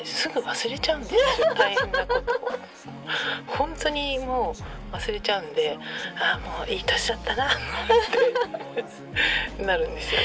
「ほんとにもう忘れちゃうんで『あもういい年だったな』ってなるんですよね」。